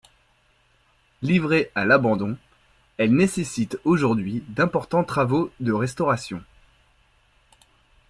Livrée à l’abandon, elle nécessite aujourd’hui d’importants travaux de restauration.